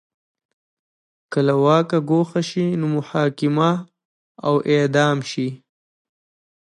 که له واکه ګوښه شي نو محاکمه او اعدام شي